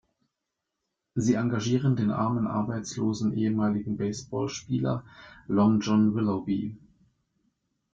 Sie engagieren den armen, arbeitslosen ehemaligen Baseballspieler Long John Willoughby.